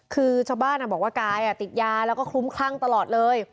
คือชาวบ้านบอกว่ากายติดยาแล้วก็คลุ้มคลั่งตลอดเลย